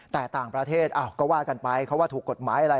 แต่ต่างประเทศก็ว่ากันไปเขาว่าถูกกฎหมายอะไร